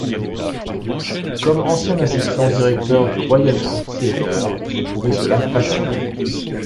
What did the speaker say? Comme ancien assistant-directeur au Royal Court Theatre, j'ai trouvé cela fascinant.